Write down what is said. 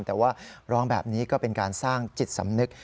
แต่ว่าร้องแบบนี้ก็เป็นการสร้างจิตสำนึก